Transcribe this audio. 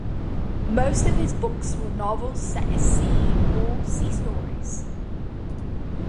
Most of his books were novels set at sea, or sea stories.